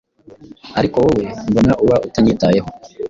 Ariko wowe mbona uba utanyitayeho